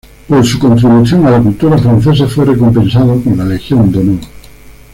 Por su contribución a la cultura francesa fue recompensado con la Legión de Honor.